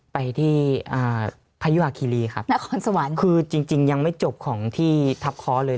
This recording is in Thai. ไปที่พายุหาคีรีครับคือจริงยังไม่จบของที่ทับคล้อเลย